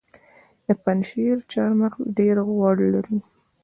د پنجشیر چهارمغز ډیر غوړ لري.